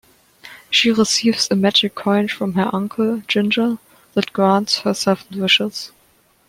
She receives a magic coin from her uncle, Ginger, that grants her seven wishes.